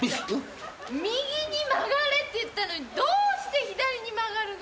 右に曲がれって言ったのにどうして左に曲がるの⁉